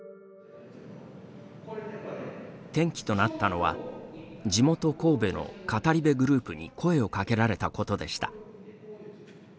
転機となったのは地元・神戸の語り部グループに声をかけられたことでした。